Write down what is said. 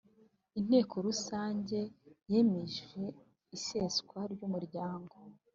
inteko rusange yemeje iseswa ryumuryango